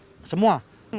iya enam puluh empat semua